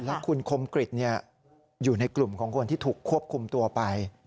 แล้วคุณคมกริจอยู่ในกลุ่มของคนที่ถูกควบคุมตัวไป